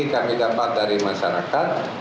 kami dapat dari masyarakat